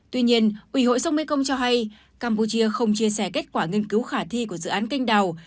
tuy nhiên ủy hội sông mekong cho hay campuchia không chia sẻ kết quả nghiên cứu khả thi của dự án canh đào